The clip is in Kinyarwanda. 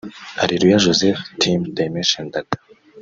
Areruya Joseph (Team Dimension Data)